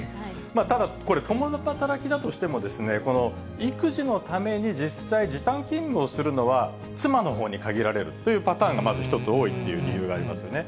ただ、これ、共働きだとしても、この育児のために実際、時短勤務をするのは、妻のほうに限られるというパターンが、まず一つ多いという理由がありますよね。